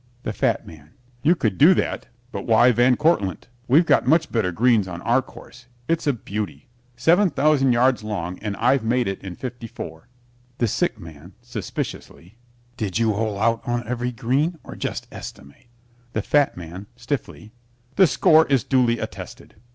THE FAT MAN You could do that. But why Van Cortlandt? We've got much better greens on our course. It's a beauty. Seven thousand yards long and I've made it in fifty four. THE SICK MAN (suspiciously) Did you hole out on every green or just estimate? THE FAT MAN (stiffly) The score is duly attested.